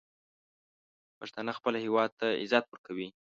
پښتانه خپل هیواد ته عزت ورکوي.